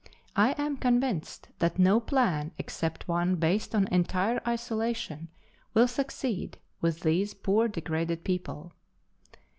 I am convinced that no plan, except one based on entire isolation, will succeed with these poor degraded people.